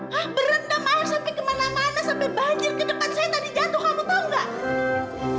hah berendam air sampai kemana mana sampai banjir ke depan saya tadi jatuh kamu tahu nggak